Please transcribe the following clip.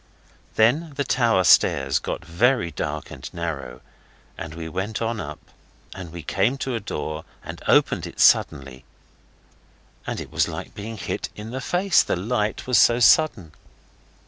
Then the tower stairs got very narrow and dark, and we went on up, and we came to a door and opened it suddenly, and it was like being hit in the face, the light was so sudden.